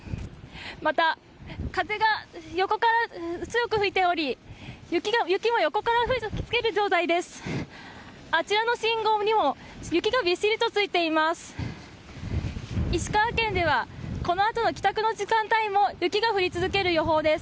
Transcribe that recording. また、風が横から強く吹いており雪も横から吹き付ける状態です。